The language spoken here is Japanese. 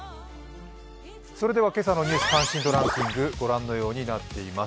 それでは今朝のニュース関心度ランキングごらんのようになっています。